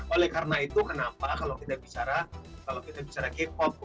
oleh karena itu kenapa kalau kita bicara k pop